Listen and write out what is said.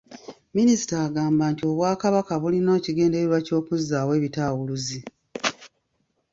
Minisita agamba nti Obwakabaka bulina ekigendererwa ky'okuzzaawo ebitaawuluzi